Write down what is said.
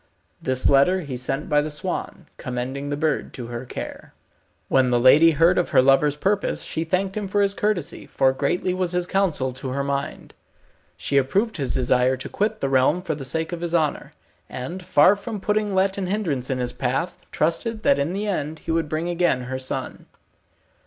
This letter he sent by the swan, commending the bird to her care. When the lady heard of her lover's purpose, she thanked him for his courtesy, for greatly was his counsel to her mind. She approved his desire to quit the realm for the sake of his honour, and far from putting let and hindrance in his path, trusted that in the end he would bring again her son.